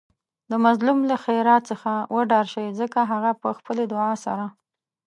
د مظلوم له ښیرا څخه وډار شئ ځکه هغه په خپلې دعاء سره